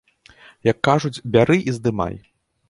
Як кажуць, бяры і здымай!